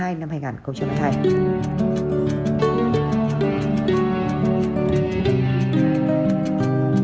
hãy đăng ký kênh để ủng hộ kênh của mình nhé